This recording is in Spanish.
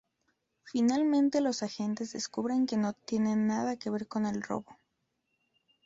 Finalmente los agentes descubren que no tiene nada que ver con el robo.